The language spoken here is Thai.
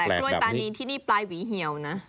แต่กล้วยตานีที่นี่ปลายหวีเหี่ยวนะ